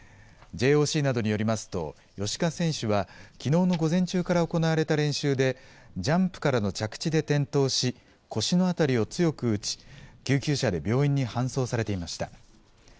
ＪＯＣなどによりますと、芳家選手は、きのうの午前中から行われた練習でジャンプからの着地で転倒し、腰のあたりを強く打ち、救急車で病院に搬送されていました。